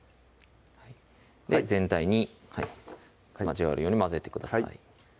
全体に交わるように混ぜてください